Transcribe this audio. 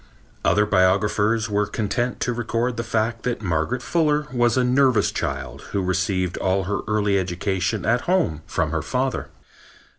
Other biographers were content to record the fact that Margaret Fuller was a nervous child who received all her early education at home from her father.